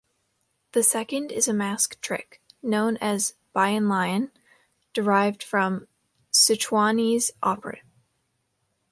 The second is a mask trick, known as Bian Lian, derived from Sichuanese opera.